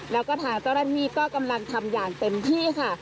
แล้วก็ทางเจ้าหน้าที่ก็กำลังทำอย่างเต็มที่ค่ะ